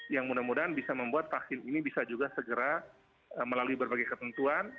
yang mudah mudahan bisa membuat vaksin ini bisa juga segera melalui berbagai ketentuan